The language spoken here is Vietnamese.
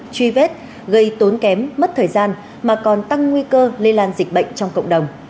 truy vết gây tốn kém mất thời gian mà còn tăng nguy cơ lây lan dịch bệnh trong cộng đồng